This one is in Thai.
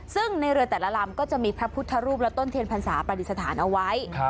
ซึ่งในเรือแต่ละลำก็จะมีพระพุทธรูปและต้นเทียนพรรษาปฏิสถานเอาไว้